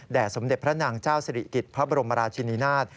สมเด็จพระนางเจ้าสิริกิจพระบรมราชินินาศ